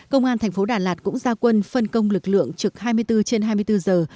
công an thành phố đà lạt cũng gia quân phân công lực lượng trực hai mươi bốn trên hai mươi bốn giờ